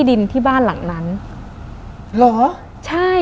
คุณลุงกับคุณป้าสองคนนี้เป็นใคร